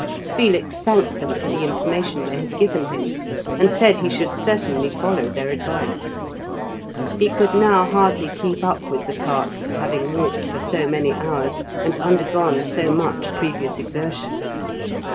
Felix thanked them for the information they had given him, and said he should certainly follow their advice. He could now hardly keep up with the carts, having walked for so many hours, and undergone so much previous exertion.